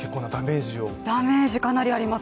ダメージ、かなりあります。